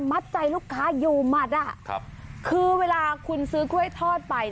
มัดใจลูกค้าอยู่หมัดอ่ะครับคือเวลาคุณซื้อกล้วยทอดไป